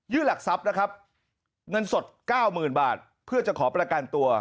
หลักทรัพย์นะครับเงินสดเก้าหมื่นบาทเพื่อจะขอประกันตัว